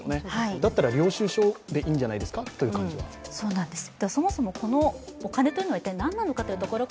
だったら領収書でいいんじゃないですかという感じが。